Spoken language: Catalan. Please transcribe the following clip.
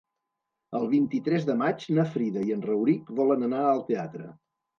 El vint-i-tres de maig na Frida i en Rauric volen anar al teatre.